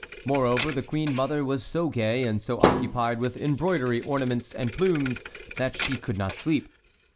Moreover, the queen mother was so gay, and so occupied with embroidery, ornaments, and plumes, that she could not sleep.